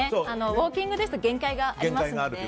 ウォーキングですと限界がありますので。